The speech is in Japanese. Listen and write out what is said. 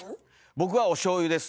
僕はおしょうゆです。